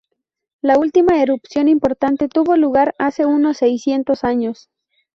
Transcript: La última erupción importante tuvo lugar hace unos seiscientos años.